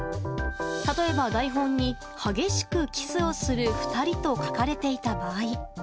例えば、台本に「激しくキスをする２人」と書かれていた場合。